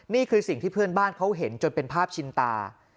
นี่คือสิ่งที่เพื่อนบ้านเขาเห็นจนเป็นภาพชินตา